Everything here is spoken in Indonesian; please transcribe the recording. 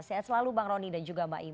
sehat selalu bang rony dan juga mbak imam